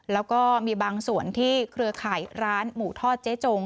แล้วก็มีบางส่วนที่เครือข่ายร้านหมูทอดเจ๊จง